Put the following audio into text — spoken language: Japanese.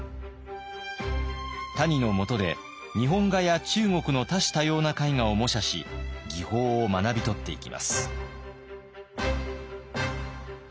谷のもとで日本画や中国の多種多様な絵画を模写し技法を学び取っていきます。